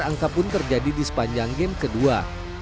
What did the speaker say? yang terjadi di sepanjang game kedua